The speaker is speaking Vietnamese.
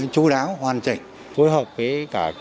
chú đáo hoàn thành công việc của xã hội công việc của gia đình